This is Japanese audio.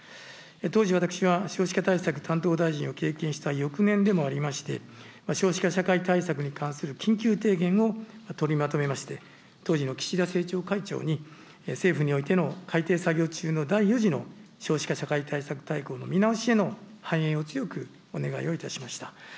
当時私は、少子化対策担当大臣を経験した翌年でもありまして、少子化社会対策に関する緊急提言を取りまとめまして、当時の岸田政調会長に、政府においての改定作業中の第４次の少子化社会対策大綱の見直しへの反映を強くお願いをいたしました。